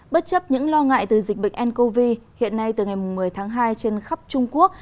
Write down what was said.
bất chấp những lo ngại từ dịch bệnh ncov hiện nay từ ngày một mươi tháng hai trên khắp trung quốc